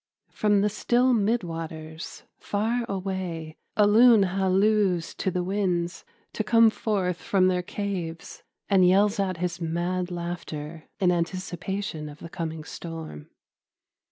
From the still midwaters far away a loon halloos to the winds to come forth from their caves, and yells out his mad laughter in anticipation of the coming storm.